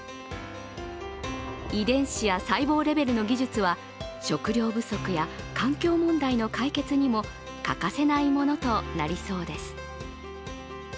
遺伝子や細胞レベルの技術は食料不足や環境問題の解決にも欠かせないものとなりそうです。